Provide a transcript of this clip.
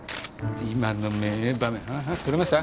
今の名場面撮れました？